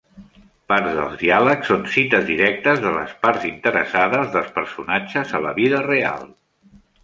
Parts del diàleg són cites directes de les parts interessades dels personatges a la vida real.